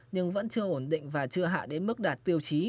nhưng vẫn chưa ổn định và chưa hạ đến mức đạt tiêu chí